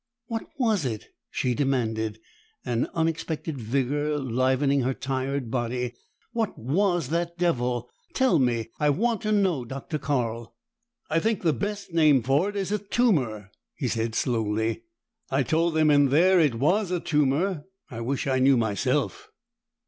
"What was it?" she demanded, an unexpected vigor livening her tired body. "What was that devil? Tell me! I want to know, Dr. Carl!" "I think the best name for it is a tumor," he said slowly. "I told them in there it was a tumor. I wish I knew myself."